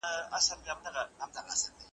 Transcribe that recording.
په پردي کور کي ژوند په ضرور دی .